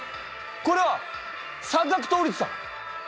これは三角倒立だ。